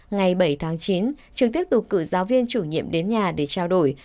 ngày bảy tháng chín trường tiếp tục cử giáo viên chủ nhiệm đến nhà để trao đổi